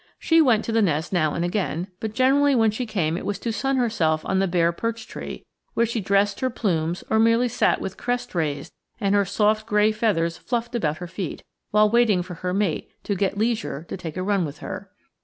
She went to the nest now and again, but generally when she came it was to sun herself on the bare perch tree, where she dressed her plumes or merely sat with crest raised and her soft gray feathers fluffed about her feet, while waiting for her mate to get leisure to take a run with her.